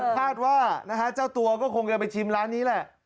คาดว่านะฮะเจ้าตัวก็คงจะไปชิมร้านนี้แหละ